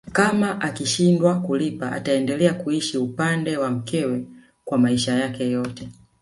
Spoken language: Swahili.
Kama akishindwa kulipa ataendelea kuishi upande wa mkewe kwa maisha yake yote